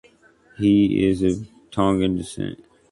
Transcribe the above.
He is of Tongan descent.